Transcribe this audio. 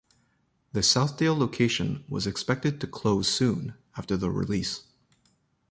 The Southdale location was expected to close soon after the release.